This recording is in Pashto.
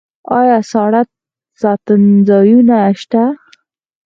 آیا ساړه ساتنځایونه شته؟